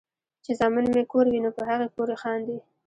چې زامن مې کور وي نو پۀ هغې پورې خاندي ـ